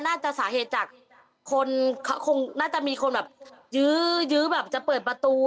น่าจะสาเหตุจากคนคงน่าจะมีคนแบบยื้อยื้อแบบจะเปิดประตู